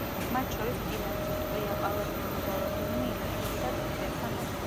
მათ შორის სპილენძი, ტყვია, პალადიუმი და როდიუმი ილექებოდა თუთიასთან ერთად.